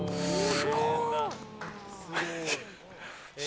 すごい。